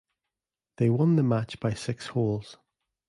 They won the match by six holes.